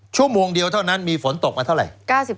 ชั่วโมงเดียวเท่านั้นมีฝนตกมาเท่าไหร่